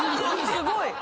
すごいで。